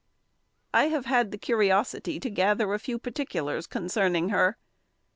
I have had the curiosity to gather a few particulars concerning her.